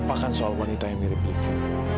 lupakan soal wanita yang mirip liefie